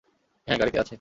হ্যাঁ, গাড়িতেই আছে।